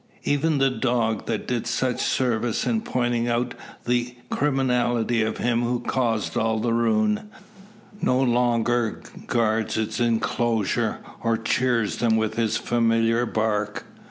Even the dog, that did such service in pointing out the criminality of him who caused all the ruin, no longer guards its enclosures, or cheers them with his familiar bark.